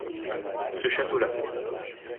Ce château-là.